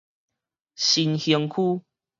新興區